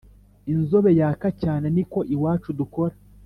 Inzobe yaka cyane niko iwacu dukora